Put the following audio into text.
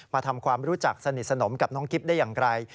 ทำความรู้จักสนิทสนมกับน้องกิ๊บได้อย่างไร